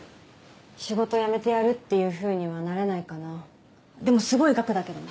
仕事辞めてやるっていうふうにはなれないかなでもすごい額だけどね